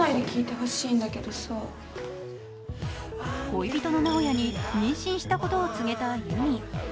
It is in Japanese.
恋人の直哉に妊娠したことを告げた優実。